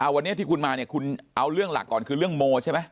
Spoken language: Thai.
วันนี้ที่คุณมาเนี่ยคุณเอาเรื่องหลักก่อนคือเรื่องโมใช่ไหม